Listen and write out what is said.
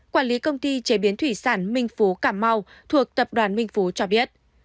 quản lý công ty chế biến thủy sản minh phú cảm mau thuộc tập đoàn minh phú cho biết